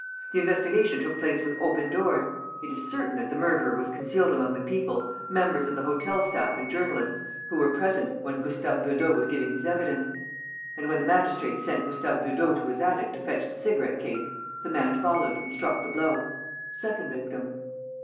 The investigation took place with open doors. It is certain that the murderer was concealed among the people, members of the hotel staff and journalists, who were present when Gustave Beudot was giving his evidence; and when the magistrate sent Gustave Beudot to his attic to fetch the cigarette case, the man followed and struck the blow. Second victim!"